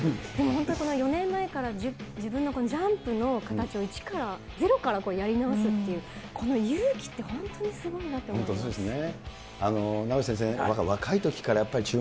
でも本当に４年前から自分のジャンプの形を一から、ゼロからやり直すっていう、この勇気って本当にすごいなと思います。